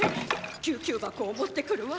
救急箱を持ってくるわ！